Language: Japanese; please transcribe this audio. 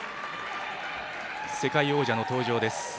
世界王者の登場です。